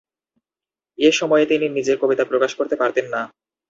এ সময়ে তিনি নিজের কবিতা প্রকাশ করতে পারতেন না।